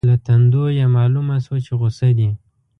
له تندو یې مالومه شوه چې غصه دي.